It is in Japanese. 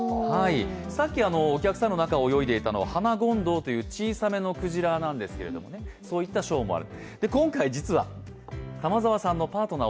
さっきお客さんの中を泳いでいたのはハナゴンドウという小さめのクジラなんですけど、そういったショーもある。